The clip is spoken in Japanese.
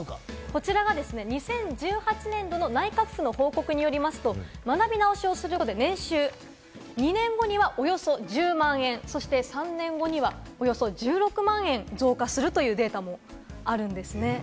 こちらが２０１８年度の内閣府の報告によりますと、学び直しをすることで年収、２年後にはおよそ１０万円、そして３年後にはおよそ１６万円増加するというデータもあるんですね。